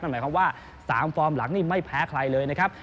หมายความว่า๓ฟอร์มหลังนี่ไม่แพ้ใครเลยนะครับ